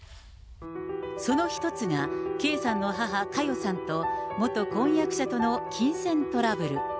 その１つが、圭さんの母、佳代さんと元婚約者との金銭トラブル。